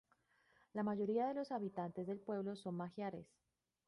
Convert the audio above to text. La mayoría de los habitantes del pueblo son magiares.